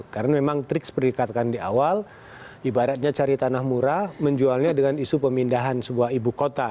karena memang triks perikatkan di awal ibaratnya cari tanah murah menjualnya dengan isu pemindahan sebuah ibu kota